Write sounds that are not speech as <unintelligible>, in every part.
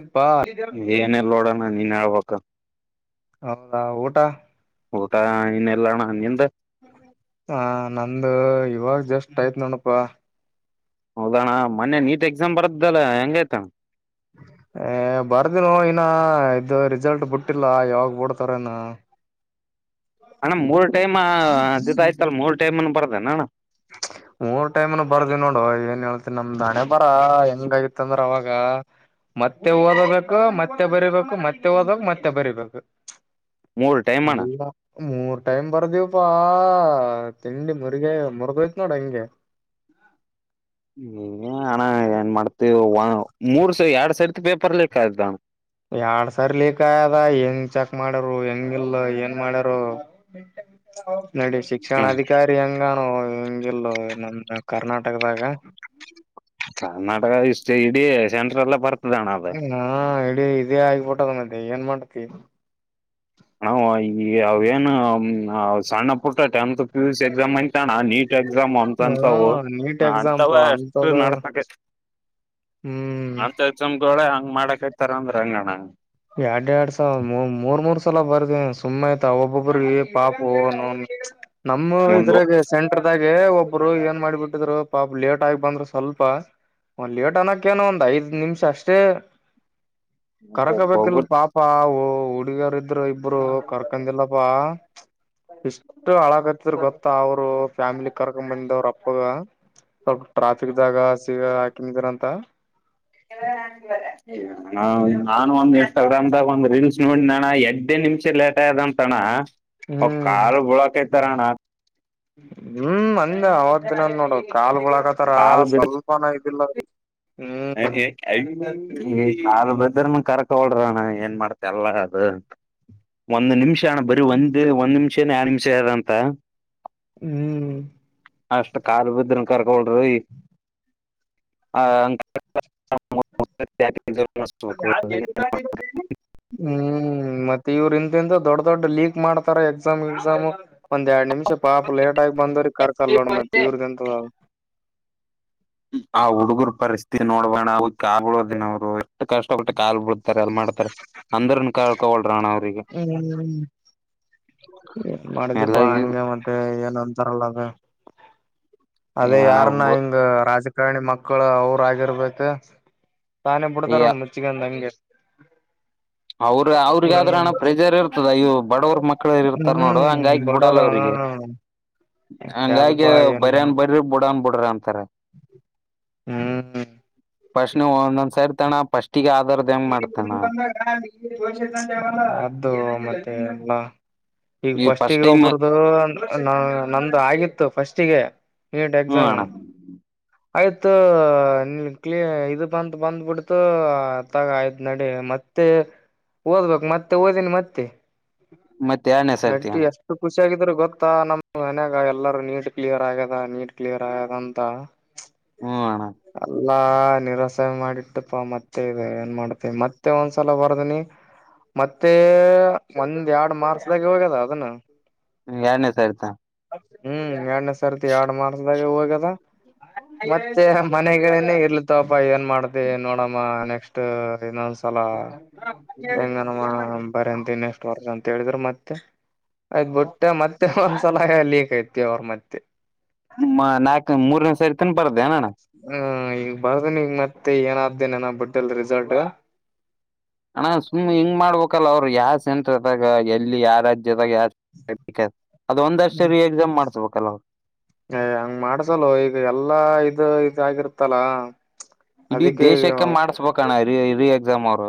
ಏನಪಾ ನೀನೆ ಹೇಳ್ಬಕ್ ಹೌದಾ ಊಟ ಊಟ ಇನ್ನಿಲ್ಲಣ ನಿಂದು ಹ ನಂದು ಇವಾಗ ಜಸ್ಟ್ ಆಯ್ತ್ ನೋಡಪ್ಪಾ ಹೌದಣ ಮೊನ್ನೇ ನೀಟ್ ಎಕ್ಸಾಮ್ ಬರದಲ್ಲಾ ಹೆಂಗೈ್ತಣ ಹ ಏ ಬರ್ದಿನ ಇನ ಇದು ರಿಸಲ್ಟ್ ಬಿಟ್ಟಿಲ್ಲ ಯಾವಾಗ್ ಬಡ್ತಾರನ <inaudible> ಅಣ್ಣ ಮೂರ್ ಟೈಮ್ ಅ ಆಯ್ತಲ್ ಮೂರ್ ಟೈಮ್ನು ಬರ್ದೇನ ಅಣ್ಣ ಹ ಮೂರ್ ಟೈಮ್ನು ಬರ್ದ ನೋಡು ಏನ್ ಹೇಳ್ತಿ ನಮ್ದ್ ಅಣೆ ಬರ ಹೆಂಗಗತ್ ಅಂದ್ರ ಅವಾಗ ಮತ್ತೆ ಓದಬೇಕು ಮತ್ತೆ ಬರಿಬೇಕು ಮತ್ತೆ ಓದ್ಬೇಕು ಮತ್ತೆ ಬರಿಬೇಕು ಮೂರ್ ಟೈಮ್ ಅಣ್ಣ ಅಲ್ಲ ಮೂರು ಟೈಮ್ ಬರ್ದೇವು ತಿಂಡಿ ಮುರ್ಗ ಮುರ್ಗೋಯ್ತ್ ನೋಡ ಹಂಗೆ ಹ ಅಣ್ಣ ಏನ್ ಮಾಡ್ತವಿ ಮೂರ್ ಸ ಎರಡ್ ಸರಿತಿ ಪೇಪರ್ ಲೀಕ್ ಆಯತಣ ಎರಡ್ ಸರಿ ಲೀಕ್ ಆಯದ ಹೆಂಗ್ ಚೆಕ್ ಮಾಡ್ಯರು ಹೆಂಗ ಇಲ್ ಏನ್ ಮಾಡ್ಯರು ನೋಡಿ ಶಿಕ್ಷಣ ಹ್ಮ್ ಅಧಿಕಾರಿ ಹಂಗಾನು ಹಂಗಗೆಲ್ಲೋ ನಮ್ಮ್ ಕರ್ನಾಟಕದಾಗ ಕರ್ನಾಟಕ ಇಷ್ಟೇ ಇಡೀ ಸೆಂಟ್ರ ಎಲ್ಲ ಬರ್ತ ಹಾ ಇಡೀ ಇದೇ ಆಗ್ಬಿಟ್ಟದ ಮದೆ ಏನ್ ಮಾಡ್ತಿ ಹಣ ಈ ಅವೇನು ಸಣ್ಣ ಪುಟ್ಟ tenth P U C exam ಅತ ನೀಟ್ ಎಕ್ಸಾಮ್ ಒಮಂತ ಹಾ ಅಂತವು ನೀಟ್ ಎಕ್ಸಾಮ್ ಅಂತವ ಪಾ ಎಷ್ಟು ಅಂತದ ನಡ್ಸಕ ಹ್ಮ್ ಅತ್ಯತಮಗೋಳೆ ಹಂಗ್ ಮಾಡಕಯ್ತಾರ ಅಂದ್ರ ಅಂಗಣ ಎರಡ್ ಎರಡ್ ಸಾವ ಮೂ ಮೂರ್ ಮೂರ್ ಸಲ ಬರ್ದ ಸುಮ್ಮ್ ಆಯ್ತ ಒಬ್ಬೊಬ್ರ ಪಾಪ ನಮ್ಮ ಒಂದು ಇದ್ರಾಗ ಸೆಂಟ್ರದಾಗ ಏ ಒಬ್ರು ಏನ್ ಮಾಡ್ಬಿಟ್ಟಿದ್ರು ಪಾಪ ಲೇಟ್ ಆಗ ಬಂದ್ರು ಸ್ವಲ್ಪ ಒಂದು ಲೇಟ್ ಅನಕ್ಕೇನೋ ಒಂದ್ ಐದ್ ನಿಮಿಷ ಅಷ್ಟೇ ಹಬ ಕಲ್ ಪಾಪಾ ಹುಡುಗರ ಇದ್ರು ಇಬ್ರು ಕರ್ಕಂದಿಲ್ಲ ಪಾ ಇಷ್ಟು ಹಳಾಗತಿದ್ರ ಗೊತ್ತಾ ಅವರು ಫ್ಯಾಮಿಲಿ ಕರ್ಕೊಂಡ ಬಂದ ಅವ್ರ ಅಪ್ಪಗ ಸ್ವಲ್ಪ ಟ್ರಾಫಿಕ್ ಜಾಗ ಸಿಗ ಹಾಕನ್ಿದೀರಂತ ಹವರ ನಾನು ಒಂದ್ ಇನ್ಸ್ಟಾಗ್ರಾಮ್್ದಾಗ ಒಂದ್ ರೀಲ್ಸ್ ನೋಡಿದಣ ಎಡ್ನೇ ನಿಮಿಷ ಲೇಟ್ ಆಯದಂತಣ ಒ ಕಾ ಬಳಕೈತಾರಣ ಹ್ಮ್ ಅಂದ ಅವತ್ ದಿನ ನೋಡ ಕಾಲ್ಗಳಾಕತಾರ ಸ್ವಲ್ಪನ ಇದಿಲ್ಲ ಹ್ಮ್ ಹಾರ ಬ ಇದ ಕರ್ಕಳ್ರಣ ಏನ್ ಮಾಡ್ತ ಅಲ್ಲ ಅದು ಒಂದ ನಿಮಿಷ ನಿಮಿಷಣ ಬರೀ ಒಂದ್ ಒಂದ್ ನಿಮಿಷನ ಯರ ನಿಮಿಷ ಯಾರ ಅಂತ ಹ್ಮ್ ಅಷ್ಟ್ ಕಾಲು ಬಿದ್ರನ್ ಕರ್ಕಳ್ರಿ ಆ ತ್ಯ ಹ್ಮ್ ಮತ್ತ ಇವ್ರ ಇಿಂದಿಂದ ದೊಡ್ಡ ದೊಡ್ ಲೀಕ್ ಮಾಡತಾರೆ ಎಕ್ಸಾಮ್ ಎಕ್ಸಾಮ್ ಒಂದ್ ಎರಡ್ ನಿಮಿಷ ಪಾಪ ಲೇಟ್ ಲೇಟಾಗಿ ಬಂದ್ರ ಕರ್ಕಲ್ ನೋಡ ಮತ್ತತ್ ಇವ್ರ್ದ ಎಂತದ ಆ ಹುಡುಗರ್ ಪರಿಸ್ಥಿತಿ ನೋಡುವಣ ನಾವು ಕಾ ಬಿಡೋದ ದಿನ್ರು ಎಷ್ಟು ಕಷ್ಟ ಕೊಟ್ಟೆ ಕಾಲ್ ಬಿಡ್ತಾರೆ ಎಲ್ಲ ಮಾಡ್ತಾರ ಅಂದ್ರನು ಕಳ್ಕೊಳ್ರಣ್ಣ ಅವ್ರಗ ಹ್ಮ್ ಏನ್ ಎಲ್ಲ ಮಾಡಿದಿಪ್ಪಾ ಹಂಗೆ ಇವ್ ಮತ್ತೆ ಏನ್ ಅಂತಾರಲ್ಲ ಅದ ಅದೇ ಅಣ ಯಾರನ್ನ ಹಿಂಗ ರಾಜಕಾರಣಿ ಮಕ್ಕಳು ಅವರಗಿರ್ಬೇಕ ತಾನೇ ಬಿಡ್ತಾರಣ್ಣ ಮುಚ್ಚಿಗ ಅಂದ ಹಂಗೆ ಅವ್ರ ಹ್ಮ ಅವ್ರಿಗಾದ್ರ ಹಣ ಪ್ರೆಜರ್ ಇರ್ತದ ಇವು ಬಡವ್ರ ಮಕ್ಳ ಇರ್ತಾರ ನೋಡು ಹಂಗಾಗಿ ಹ್ಮ್ ಬಿಡಲ್ಲ ಬಡೋರ ಅವ್ರಿಗೆ ಹ್ಮ ಹಂಗಾಗಿ ಬರಿ್ಯನ್ ಬರ್ರಿ ಬಿಡನ್ ಬಿಡ್ರಿ ಅಂತಾರ ಹ್ಮ್ ಫಸ್ಟ್ ನೀ ಒಂದೊಂದ್ ಸಾರಿ ತಣ ಫಸ್ಟಿಗೆ ಆಧಾರದ ಹೆಂಗ್ ಮಾಡ್ತಾನ ಅದು ಮತ್ತೆ ಎಲ್ಲ ಈಗ ಈ ಫಸ್ಟ್ ಫಸ್ಟಿಗೆ ಟೈಮ್ ಒಬ್ಬರದು ನಂದು ಆಗಿತ್ತು ಫಸ್ಟಿಗೆ ಏಟ ಹ್ಮ ಎಕ್ಸಾಮಾ ಅಣ್ಣ ಆಯ್ತು ಕ್ಲ ಇದು ಬಂತ ಬಂದ್ಬಿಡ್ತು ತಗ ಆಯ್ತ್ ನಡಿ ಮತ್ತ ಮತ್ತೆ ಓದ್ಬೇಕು ಮತ್ತೆ ಓದಿನಿ ಮತ್ತೆ <unintelligible> ಷ ಆಾಗಿದ್ರೆ ಗೊತ್ತಾ ನಮ್ ಮನ್ಯಾಗ ಎಲ್ಲಾರೂ ನೀಟ್ ಕ್ಲಿಯರ್ ಆಗ್ಯದ ನೀಟ್ ಕ್ಲಿಯರ್ ಆಗ್ಯದ ಅಂತ ಹ್ಮಣ ಎಲ್ಲಾ ನಿರಾಸೆ ಮಾಡಿಟ್ಟಪ್ಪಾ ಮತ್ತೆ ಇ ಏನ್ ಮಾಡ್ತ ಮತ್ತೆ ಒಂದ್ಸಲ ಬರ್ದನಿ ಮತ್ತೆ ಒಂದ ಎರಡ್ ಮಾರ್ಚ್ದಾಗ ಹೋಗ್ಯದ ಅದನ್ನ ಎರನೇ ಆಯ್ತಾ ಹ್ಮ್ ಎರಡ್ನೇ ಸರ್ತಿ ಎರಡು ಮಾರ್ಸದಾಗ ಹೋಗದ ಮತ್ತೆ ಮನೆಗಳನೇ ಇರ್ಲತಪ್ಪಾ ಏನ್ ಮಾಡ್ತಿ ನೋಡಮ್ಮ ನೆಕ್ ಎಷ್ಟ ಇನ್ನೊಂದ್ಸಲ ಹೆಂಗನಮ್ಮ ಬರಂತ ಇನ್ ಎಷ್ಟ ವರ್ಗಂತ ಹೇಳಿದ್ರರು ಮತ್ತೆ ಆಯ್ತ್ ಬಿುಟ್ಟೆ ಮತ್ತೆ ಒಂದ್ಸಲ ಲೀಕ್ ಐತಿ ಅವ್ರ ಮತ್ತೆ ನಾಲ್ಕ ಮೂರನೇ ಸರಿ ತನ್ ಬರ್ ಅಣಣ್ಣ ಹ್ಮ್ ಈಗ ಬಾರ್ದನಗ ಮತ್ತೆ ಏನಾದ್ದೇನನ ಬುಟ್ಟಲ್ ರಿಸಲ್ಟ್ ಅಣ ಸುಮ್ ಹಿಂಗ್ ಮಾಡ್ಬೇಕಲ್ಲ ಅವ್ರು ಯಾವ ಸೆಂಟ್ರ ಅದಾಗ ಎಲ್ಲಿ ಯಾರಾದ ಜೊತೆ ಅದ ಒಂದ್ರ್ಷ್ಟ ಎಕ್ಸಾಮ್ ಮಾಡ್ಸ್ಬೇಕಲ್ಲ ಅವ್ರು ಏ ಹಂಗ್ ಮಾಡ್ಸಲ ಈಗ ಎಲ್ಲಾ ಇದು ಇದಾಗಿರ್ತ್ತಲ ಇಡೀ ಅದಕ್ಕೆ ದೇಶಕ್ಕೆ ಮಾಡಿಸಬೇಕಣ್ಣ ರಿ ರಿ ಎಕ್ಸಾಮ್ ಅವರು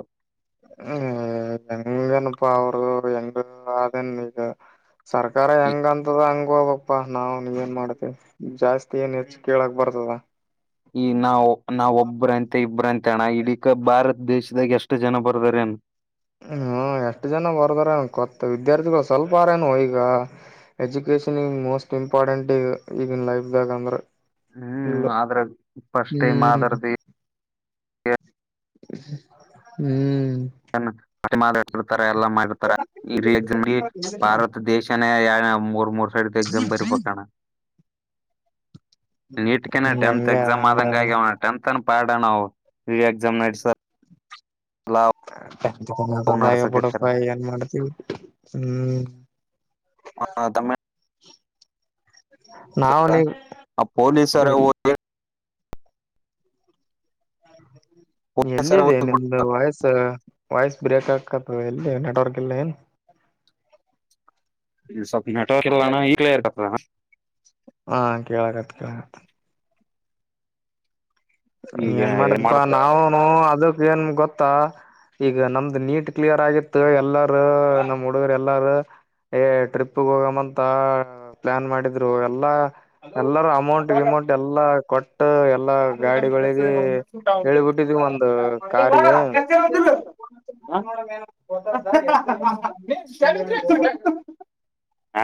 ಹ್ಮ್ ಹೆಂಗನಪಾ ಅವರುರು ಹೆಂಗ ಅನ್ ಈಗ ಸರ್ಕಾರ ಹೆಂಗ ಅಂತದಂಗ ಹಾಗಪ್ಪಾ ನಾವು ನೀ ಏನ್ ಮಾಡ್ತಿೇವಿ ಜಾಸ್ತಿ ಏನ್ ಹೆಚ್ಚು ಕೇಳಕ್ ಬರ್ತದ ಈ ನಾವ ನಾವ್ ಒಬ್ಬ್ರಂತೆ ಇಬ್ರಂತ ಅಣ್ಣ ಇಡೀಿಕ ಬಾರ ದೇಶದಾಗ ಎಷ್ಟು ಜನ ಬರ್ದಾರೇಏನ್ ಹ ಎಷ್ಟು ಜನ ಬರರ್ದಾರ ಕೊ ವಿದ್ಯಾರ್ಥಿಗಳು ಸ್ವಲ್ಪ ಆರೇನು ಈಗ ಎಜುಕೇಶನ್ ಮೋಸ್ಟ್ ಇಂಪಾರ್ಟೆಂಟ್ ಈಗ ಈಗಿನ ಲೈಫ್್ದಾಗ ಅಂದ್ರೆ ಇಲ್ಲ ಹ್ಮ್ ಆದ್ರ ಫಸ್ಟ್ ಟೈಮ್ ಹ್ಮ್ ಆದರ್ದ ಹ್ಮ್ ತ ಎಲ್ಲ ಮಾಡಿತ ಭಾರತ ದೇಶ ಮೂರ್ ಮೂರ್ ಸೈಡ್ ಎಕ್ಸಾಮ್ ಬರಿ ಪಕಣ ನೀಟ್ಕನೆ ಹಂಗ ಟೆಂತ್ ಹಂಗೆ ಎಕ್ಸಾಮ್ ಅದಂಗೆ ಆದಂಗ ಅದ ಟೆಂತ್ ಅನ್ ಪಾಡಣವು ಎಕ್ಸಾಮ್ ನಸ ಲಾವ ಬಿಡಪ್ಪ ಏನ್ ಮಾಡ್ತಿವಿ ಹ್ಮ್ ಹಾ ತಮ್ಮ ನಾವ್ ನೀ ಪೊಲೀಸರ ಎಲ್ ಪೊಲೀಸರ ಎಲ್ಲಿದೆ ಹೋಗಿ ನಿಮ್ದು ವಾಯ್ಸ್ ವಾಯ್ಸ್ ಬ್ರೇಕ್ ಆಕತ ಇ ನೆಟವರ್ಕ್ ಇಲ್ಲ ಏನ್ <unintelligible> ಹಾ ಕೇಳಗತ್ ಕೇಳಗತ್ ಈಗ ಏನ್ ಮಾಡಿದಪಾ ಮಾಡ್ತ ನಾಾವನು ಅದಕ್ ಏನ್ ಗೊತ್ತಾ ಈಗ ನಮ್ದು ನೀಟ್ ಕ್ಲಿಯರ್ ಆಗಿತ್ತು ಎಲ್ಲಾರ ನಮ್ ಹುಡುಗರ್ ಎಲ್ಲಾರ ಏ ಟ್ರಿಪ್ಗೆ ಹೋಗಮಂತ ಪ್ಲಾನ್ ಮಾಡಿದ್ರು ಎಲ್ಲಾ ಎಲ್ಲರೂ ಅಮೌಂಟ್ ವಿಮೌಂಟ್ ಎಲ್ಲಾ ಕೊಟ್ಟ ಎಲ್ಲಾ ಗಾಡಿಗಳಿಗೆ ಟ ಹೇಳಿಬಿಟ್ಟಿದ್ವಿ ಒಂದು ಕಾರ್ಗೆ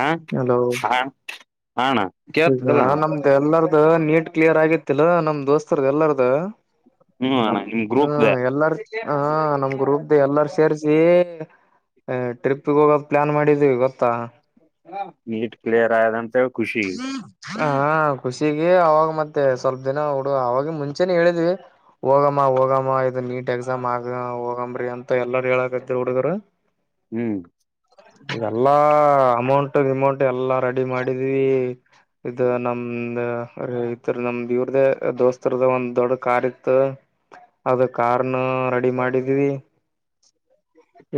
ಹ ಹಲೋ ಹ ಹ ಈಗ ನಮ್ದು ಎಲ್ಲಾರ್ದ ನೀಟ್ ಕ್ಲಿಯರ್ ಆಗಿತ್ತಲ್ಲಾ ನಮ ದೋಸ್ತರ್ ಎಲ್ಲಾರ್ದ ಹ್ಮ್ ಅಣ್ಣ ನಿಮ್ ಹ್ಮ ಗ್ರೂಪ್ದ ಎಲ್ಲಾರ ಹಾ ನಮ್ ಗ್ರೂಪ್ ಎಲ್ಲಾರು ಸೇರ್ ಎ ಟ್ರಿಪ್ಗೆ ಹೋಗ ಪ್ಲಾನ್ ಮಾಡಿದೀವಿ ಇವತ್ತು ನೀಟ್ ಕ್ಲಿಯರ್ ಆಯದಂತೆ ಖುಷಿ ಹ ಖುಷಿಗೆ ಅವಾಗ ಮತ್ತೆ ಸ್ವಲ್ಪ ದಿನ ಹುಡು ಅವಾಗ ಮುಂಚೆನೆ ಹೇಳಿದ್ವಿ ಹೋಗ ಮ ಹೋಗಮ್ಮ ಇದು ನೀಟ್ ಎಕ್ಸಾಮ್ ಆಗ ಹೋಗಮ್ರಿ ಅಂತ ಎಲ್ಲಾರ ಹೇಳಕತ್ ಹುಡುಗರು ಹ್ಮ್ ಎಲ್ಲಾ ಅಮೌಂಟ್ ವಿಮೌಂಟ್ ಎಲ್ಲಾ ರೆಡಿ ಮಾಡಿದೀವಿ ಇದು ನಮ ಈತರ ನಮ್ದ್ ಇವ್ರ್ದ ದೋಸ್ತರ್ದ ಒಂದ್ ದೊಡ್ಡ ಕಾರ್ ಇತ್ತು ಅದ ಕಾರ್ನ ರೆಡಿ ಮಾಡಿದ್ದೀವಿ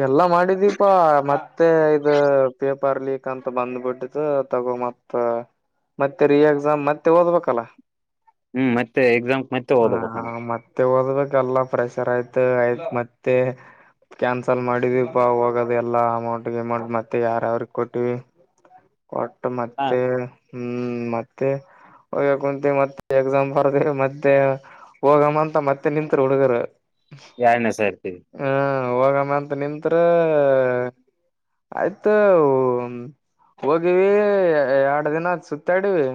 ಎಲ್ಲಾ ಮಾಡಿದೀಪಾ ಮತ್ ಮತ್ತೆ ಇದು ಪೇಪರ್ ಲೀಕ್ ಅಂತ ಬಂದ್ಬಿಟ್ಟಿದ್ದ ತಗೋ ಮತ್ತ ಮತ್ತೆ ರಿ ಎಕ್ಸಾಮ್ ಮತ್ತೆ ಓದ್ಬೇಕಲ್ಲ ಹ್ಮ್ ಮತ್ತೆ ಎಕ್ಸಾಮ್ ಮತ್ತೆ ಹೋದ ಬಣ <unintelligible> ಎಲ್ಲಾ ಪ್ರಫ್ರೆಷರ್ ಆಯ್ತು ಆಯ್ತ್ ಮತ್ತೆ ಕ್ಯಾನ್ಸಲ್ ಮಾಡಿದೀವಿಪಾ ಹೋಗದ ಎಲ್ಲಾ ಅಮೌಂಟ್ ಅಮೌಂಟ್ ಮತ್ತೆ ಯಾರ ಯಾವ್ರ ಕೊಟ್ಟಿವ ಕೊಟ್ಟ ಹ ಮತ್ತೆ ಹ್ಮ್ ಮತ್ತೆ ಹೋಗ ಕುಂತೀವಿ ಮತ್ತೆ ಎಕ್ಸಾಮ ಬರ್ದ ಮತ್ತೆ ಹೋಗಮ್ಮ ಅಂತ ಮತ್ತೆ ನಿತ್ ಹುಡುಗರು ಯಾರನಸ ಇರ್ತೀವಿ ಹ ಹೋಗಮ್ಮ ಅಂತ ನಿಂತ್ರ ಆಯ್ತು ಹೋಗಿವವಿ ಏ ಎರಡು ದಿನದ ಸುತ್ತಾಡವಿ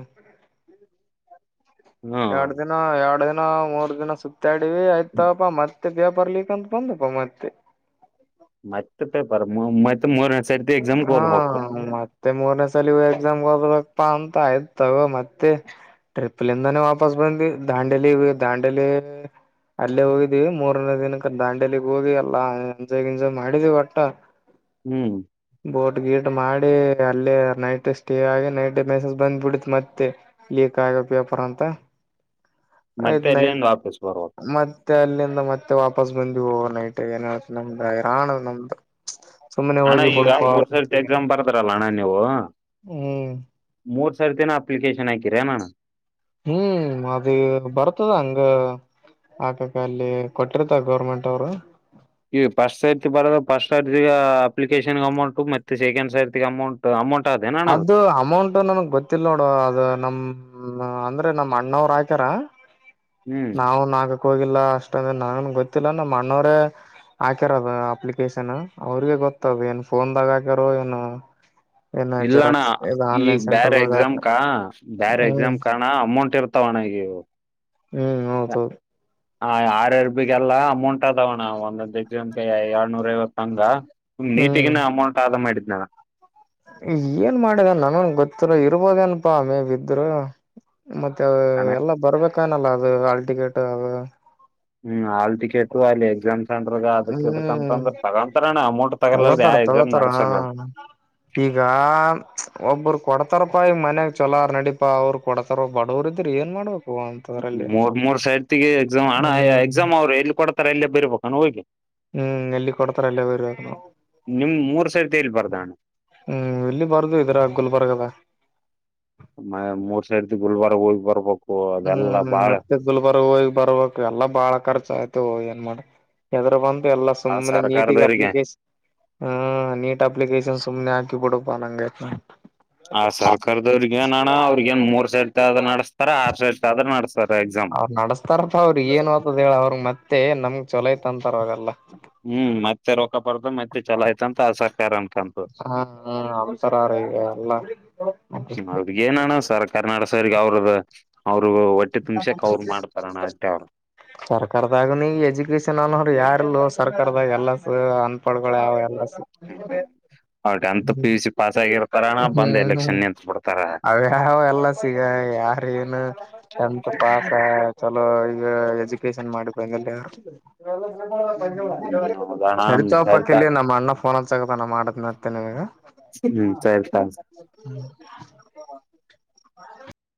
ಹ್ಮ್ ಎರಡ್ ದಿನ ಎರಡ್ ದಿನ ಮೂರ್ ದಿನ ಸುತ್ತಾಡವಿ ಆಯ್ತಪ್ಪಾ ಮತ್ ಮತ್ತೆ ವ್ಯಾಪಾರ ಲೀಕ್ಕ ಅಂತ ಬಂದಪ್ಪ ಮತ್ತೆ ಮತ್ತೆ ಪೇ ಬರ ಹಾ ಮತ್ತೆ ಮೂರನೇ ಸಲ ಎಕ್ಸಾಮ್ಗೆ ಹದ ಪ್ಪಾ ಅಂತ ಆಯ್ತ ತಗ ಮತ್ತೆ ಟ್ರಿಪ್ಲಿಂದಾನೇ ವಾಪಸ್ ಬಂದ್ ದಾಂಡೆಲಿ ದಾಂಡೆಲಿ ಹ್ಮ ಅಲ್ಲೇ ಹೋಗಿದೀವಿ ಮೂರನೇ ದಿನಕ್ಕೆ ದಾಂಡಿಯಲಿಗ್ ಹೋಗಿ ಎಲ್ಲಾ ಎಂಜಾಯ್ ಗಿಂಜಾಯ್ ಮಾಡಿದೀವಿ ಒಟ್ಟ ಹ್ಮ್ ಕೋರ್ಟ್ ಗೀಟ್ ಮಾಡಿ ಅಲ್ಲೇ ನೈಟ್ ಸ್ಟೇ ಆಗಿನೈಟ್ ಮೆಸೇಸ್ ಬಂದ್ ಬಿಡತ್ ಮತ್ತೆ ಪೇಪರ್ ಅಂತ ಆಯ್ತ್ ಮತ್ತೆ ನ ಅಲ್ಲಿಂದ ವಾಪಸ್ ಬರ್ಬೇಕು ಮತ್ತೆ ಅಲ್ಲಿಂದ ಮ ಮತ್ತೆ ವಾಪಸ್ ಬಂದ್ವು ಓವರ್ ನೈಟ್ ಏನ್ತ ನಮ್ದ ಇರಾಣ ನಮ್ದು ಸುಮ್ಮನೆ ಅಣ್ಣ ಹೋಗಿ ಈಗ ಬುಡಪ ಮೂರ್ ಸರತಿ ಎಕ್ಸಾಮ್ ಬರ್ದಾರಲ್ಲ ಅಣ್ಣ ನೀವು ಹ್ಮ್ ಮೂರ್ ಸರ್ತಿನ ಅಪ್ಲಿಕೇಶನ್ ಹಾಕಿರ ಏನಣ್ಣ ಹ್ಮ್ ಅದ ಬರ್ತದ ಹಂಗ ಆಕಕ್ಕ ಅಲ್ಲಿ ಕೊಟ್ಟಿರ್ತರ ಗೌರ್ಮೆಂಟ್ ಅವರು ಈ ಫಸ್ಟ್ ಸೈರ್ತಿ ಬರೋ ಫಸ್ಟ್ ಅರ್ಜಿ ಅಪ್ಲಿಕೇಶನ್ ಅಮೌಂಟ್ ಮತ್ತೆ ಸೆಕಂಡ್ ಸರ್ತಿಗೆ ಅಮೌಂಟ್ ಅಮೌಂಟ್ ಆದೇನಣ್ಣ ಅದು ಅದಕ್ಕೆ ಅಮೌಂಟ್ ನಮಗ್ ಗೊತ್ತಿಲ್ಲ ನೋಡು ಅದು ನಮ ಅಂದ್ರೆ ನಮ್ಮ್ ಅಣ್ಣವರು ಆಕ್ಯಾರ ಹ್ಮ್ ನಾವು ನಾಗ ಹೋಗಿಲ್ಲ ಅಷ್ಟಂದ್ರೆ ನನಗ ಗೊತ್ತಿಲ್ಲ ನಮ್ಮ ಅಣ್ಣವರೇ ಹಾಕ್ಯಾರದು ಅಪ್ಲಿಕೇಶನ್ ಅವ್ರಿಗೆ ಗೊತ್ತದು ಏನು ಫೋನ್ದಾಗ ಹಾಕ್ಯಾರೋ ಏನು ಏನ ಇಲ್ಲಣ್ಣ ಜೆರಾಕ್ಸ್ ಇದು ಈಗ ಆನ್ಲೈನ್ ಬೇರೆ ಸೆಂಟರ್ಗೆ ಹೋದಾಗ ಎಕ್ಸಾಮ್ ಕ ಬೇರೆ ಹ್ಮ್ ಎಕ್ಸಾಮ್ ಕಣ ಅಮೌಂಟ್ ಇರ್ತಾವಣ್ಣ ಈಗ ಎವಾಗ್ ಹ್ಮ್ ಹೌದ್ ತೊಗೋರಿ. ಹ ಆರ್ ರ್ ಬಿಗೆಲ್ಲ ಅಮೌಂಟ್ ಅದಾವಣ್ಣ ಒಂದೊಂದು ಎಕ್ಸಾಮ್ ಕೆ ಎರಡ್ನೂರ್ ಐವತ್. ಹಂಗ ನೀಟಿಗಿನ ಅಮೌಂಟ್ ಆದ ಮಾಡಿದ್ನಾನ. ಹ್ಮು ಏನ್ ಮಾಡಿದ ನನಗ್ ಗೊತ್ತಿಲ್ಲ ಇರ್ಬೋದೇನಪಾ ಮೇಬಿ ಇದ್ರ. ಮತ್ತೆ ಹಣ ಎಲ್ಲ ಬರ್ಬೇಕನಲ್ಲ ಅದು ಹಾಲ್ ಟಿಕೆಟ್ ಅದು. ಹ್ಮ್ ಆಲ್ ಟಿಕೆಟು ಅಲ್ಲಿ ಎಕ್ಸಾಮ್ ಸಂಟರ್ಗ ಅದಕ್ ಇದಕ್ ಹ್ಮ್ ಅಂತಂದ್ರ ತಗಂತರಣ್ಣ ಅಮೌಂಟ್ ತಗಲಾರ್ದ ತಗೋತಾರ ಯಾವ ಎಕ್ಸಾಮ್ ತಗೋತಾರ ಅ ನಡ್ಸಲ್ಲ ಈಗ ಮ್ಚ್ ಒಬ್ ಕೊಡ್ತಾರಪ್ಪಾ ಈಗ್ ಮನ್ಯಾಗ್ ಚೊಲೋ ಆರ ನಡೀ ಪಾ ಅವ್ರು ಕೊಡತಾರ ಬಡವ್ರ ಇದ್ರ ಏನ್ ಮಾಡ್ಬೇಕ್. ಮೂರ್ ಮೂರ್ ಸರತಿಗೆ ಎಕ್ಸಾಮ್ ಅಣ್ಣ ಹ್ಮ್ ಎಕ್ಸಾಮ್ ಅವ್ರು ಎಲ್ಲಿ ಕೊಡ್ತಾರ ಅಲ್ಲಿ ಬರ್ಬೇಕಾನ ಹೋಗಿ. ಹ್ಮ್ ಎಲ್ಲಿ ಕೊಡ್ತರ ಅಲ್ಲೇ ಬರೀಬೇಕು. ನಿಮ್ ಮೂರ್ ಸರ್ತಿ ಎಲ್ಲಿ ಬರ್ದಣ ಹ್ಮ್ ಇಲ್ಲಿ ಬರದ್ವಿ ಇದ್ರಗ್ ಗುಲ್ಬರ್ಗದಾಗ್. ಮ ಮೂರ್ ಸರ್ತಿ ಗುಲ್ಬರ್ಗ ಹೋಗ್ ಬರ್ಬೇಕು. ಅದೆಲ್ಲಾ ಹ್ಮ್ ಬಾಳ ಮತ್ತೆ ಗುಲ್ಬರ್ಗಾ ಹೋಗಿ ಬರ್ಬೇಕ್ ಎಲ್ಲಾ ಬಾಳ ಖರ್ಚು ಆಯ್ತವ್ ಹೊಯ್ ಅ ಮಾ ಯಾದ್ರ ಬಂದ್. ಎಲ್ಲಾ ಆ ಸುಮ್ಮನೆ ನೀಟಿಗ್ ಸರ್ಕಾರದವ್ರಿಗೆ ಅಪ್ಲಿಕೇಶನ್ ಹ ನೀಟ್ ಅಪ್ಲಿಕೇಶನ್ ಸುಮ್ಮನೆ ಆ. ಕಿ ಬಿಡೋ ಪಾ ಅನಂಗ್ ಆಯ್ತ. ಆ ಸರ್ಕಾರದವ್ರಿಗ್ ಎನ್ ಅಣ್ಣ ಅವ್ರಿಗ್ ಏನ್ ಮೂರ್ ಸರ್ತಿ ಆದ್ರು ನಡ್ಸ್ತಾರ ಆರ್ ಸರ್ತಿ ಆದ್ರ ನಡಸ್ತ ಅವ್ರ್ ನಡಸ್ತಾರ್ತ ಅವ್ರಿಗ್ ಏನ ಆತದ್ ಹೇಳ ಅವ್ರಗ್ ಮತ್ತೆ ನಮ್ಗ್ ಚೊಲೋ ಇತ್ತ ಅಂತಾರ ಅವೆಲ್ಲ. ಹ್ಮ್ ಮತ್ತೆ ರೊಕ್ಕ ಪಡ್ದ ಮತ್ತೆ ಚಲ ಆತ ಅಂತ ಅಸಹಕಾರ ಅಂಟಂತು. ಹ ಅಂತಾರ ಅವ್ರ ಈಗ ಎಲ್ಲ ಅವ್ರಿಗ್ ಏನಣ್ಣ ಸರ್ಕಾರ ನಡ್ಸವ್ರಿಗೆ ಅವ್ರದ್ ಅವ್ ಅವ್ರು ಸರ್ಕಾರ್ದಾಗ ನೀ ಎಜುಕೇಶನ್ ಅನ್ನೋರಿ ಯಾರ್ ಎಲ್ಲೊ ಸರ್ಕಾರದಾಗ್ ಎಲ್ಲ ಕು ಹ್ಮು ಹ್ಮು ಅವ್ರು ಟೆಂತ ಹ್ಮ್ ಪಿ ಯು ಸಿ ಪಾಸ ಆಗಿ ಕರೋಣ ಬಂದ್ ಎಲೆಕ್ಷನ್ ನಿಲ್ಸ್ಬಿಡ್ತರ್. ಅವ್ ಯಾವ್ ಎಲ್ಲ ಸಿಗಗ್ ಯಾರ್ ಏನು ಟೆಂತ್ ಪಾಸ್ ಅ ಚ ಅಲ್ಲೋ ಈಗ ಎಜುಕೇಶನ್ ಮಾಡಿ ಫೈನಲ್ ಇಯಾರ್ ಹ್ಮ್ ಹೌದಣ ಸರಿ ಸರಿತ ತೊಪಕಿಲ್ಲಿ ನಮ್ಮ ಅಣ್ಣ ಫೋನ್ ಅಚ್ಚಕತನ್. ನ ಮಾಡ್ತ್ನಿತ್ತೆ ನಿನಗ. ಹ್ಮ್ ಸರಿ <unintelligible>